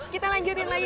kita lanjutin lagi